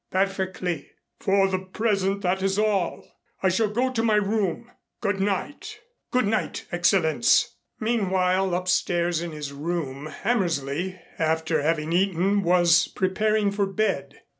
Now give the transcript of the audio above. "Perfectly." "For the present that is all. I shall go to my room. Good night." "Good night, Excellenz." Meanwhile, upstairs in his room, Hammersley, after having eaten, was preparing for bed.